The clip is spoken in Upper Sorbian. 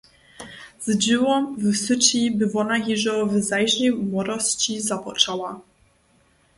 Z dźěłom w syći bě wona hižo w zažnej młodosći započała.